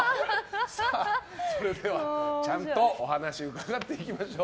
それでは、ちゃんとお話を伺っていきましょう。